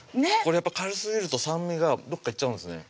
やっぱり辛すぎると酸味がどっか行っちゃうんですね